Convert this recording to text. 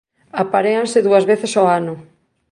Aparéanse dúas veces ao ano.